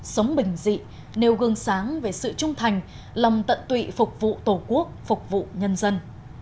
sống bình dị nêu gương sáng về sự trung thành lòng tận tụy phục vụ tổ quốc phục vụ nhân dân